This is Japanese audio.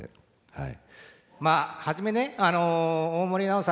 はい。